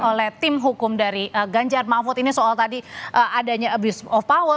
oleh tim hukum dari ganjar mahfud ini soal tadi adanya abuse of power